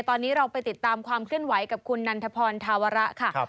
ตอนนี้เราไปติดตามความเคลื่อนไหวกับคุณนันทพรธาวระค่ะ